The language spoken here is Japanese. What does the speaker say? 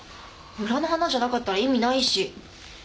村の花じゃなかったら意味ないし。